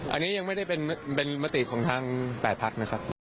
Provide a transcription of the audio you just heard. อันนี้ยังไม่ได้เป็นมติของทาง๘พักนะครับ